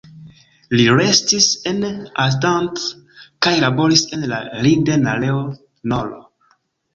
Li restis en Arnstadt kaj laboris en la Linden-aleo nr.